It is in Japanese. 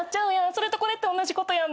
それとこれって同じことやんな。